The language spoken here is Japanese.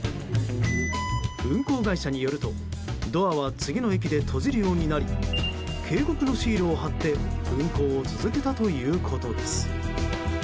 運行会社によるとドアは次の駅で閉じるようになり警告のシールを貼って運行を続けたということです。